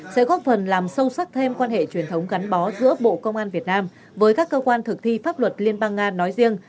sẽ góp phần làm sâu sắc thêm quan hệ truyền thống gắn bó giữa bộ công an việt nam với các cơ quan thực thi pháp luật liên bang nga nói riêng